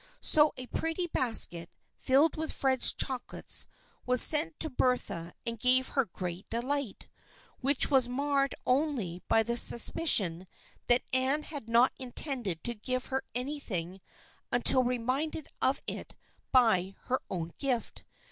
So a pretty basket, filled with Fred's chocolates, was sent to Bertha and gave her great delight, which was marred only by the suspicion that Anne had not intended to give her anything until re minded of it by her own gift.